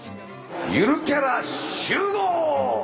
ゆるキャラ集合！